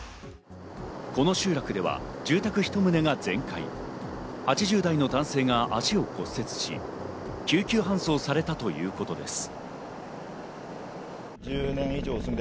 この集落では住宅１棟が全壊、８０代の男性が足を骨折し、救急搬送されたということです。